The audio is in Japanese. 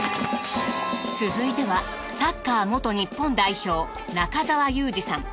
続いてはサッカー元日本代表中澤佑二さん。